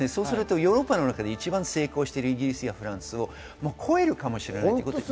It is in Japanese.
ヨーロッパの中で一番成功しているイギリス、フランスを超えるかもしれないんです。